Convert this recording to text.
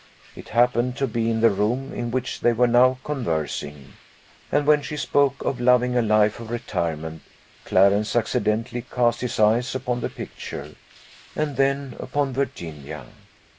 It happened to be in the room in which they were now conversing, and when she spoke of loving a life of retirement, Clarence accidentally cast his eyes upon the picture, and then upon Virginia.